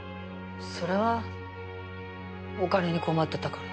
それはお金に困ってたから。